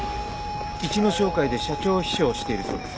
市野商会で社長秘書をしているそうです。